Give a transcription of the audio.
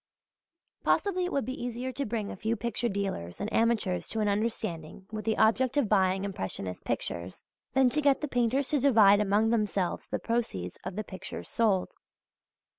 Possibly it would be easier to bring a few picture dealers and amateurs to an understanding with the object of buying impressionist pictures, than to get the painters to divide among themselves the proceeds of the pictures sold.